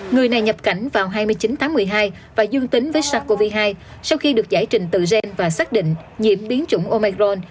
các ca nhập cảnh vào hai mươi chín tháng một mươi hai và dương tính với sars cov hai sau khi được giải trình từ gen và xác định nhiễm biến chủng omicron